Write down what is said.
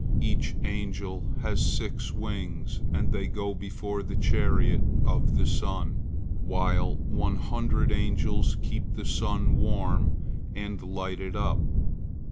Each angel has six wings, and they go before the chariot of the sun, while one hundred angels keep the sun warm, and light it up.